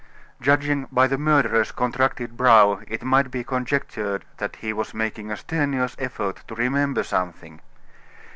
Judging by the murderer's contracted brow it might be conjectured that he was making a strenuous effort to remember something.